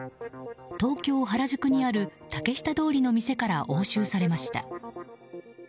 東京・原宿にある竹下通りの店から押収されました。